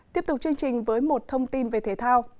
tiếp tục chương trình với một thông tin về thể thao